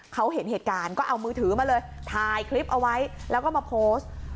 เขาเห็นเหตุการณ์ก็เอามือถือมาเลยถ่ายคลิปเอาไว้แล้วก็มาโพสต์